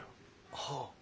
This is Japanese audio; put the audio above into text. はあ。